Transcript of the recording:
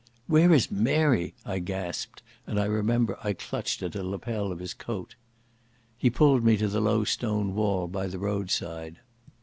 "Where is Mary?" I gasped, and I remember I clutched at a lapel of his coat. He pulled me to the low stone wall by the roadside.